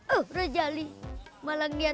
oh rejali malangnya